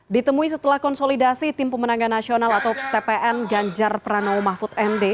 ditemui setelah konsolidasi tim pemenangan nasional atau tpn ganjar pranowo mahfud md